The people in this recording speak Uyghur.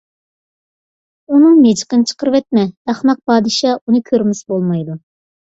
ئۇنىڭ مىجىقىنى چىقىرىۋەتمە، ئەخمەق پادىشاھ ئۇنى كۆرمىسە بولمايدۇ.